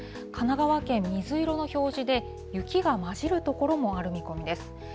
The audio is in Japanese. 神奈川県、水色の表示で、雪が交じる所もある見込みです。